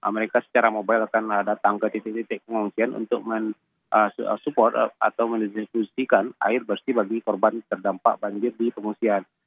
mereka secara mobile akan datang ke titik titik pengungsian untuk mensupport atau mendistribusikan air bersih bagi korban terdampak banjir di pengungsian